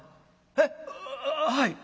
「えっ？はい」。